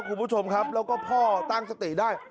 คุณผู้ชมครับแล้วก็พ่อตั้งสติได้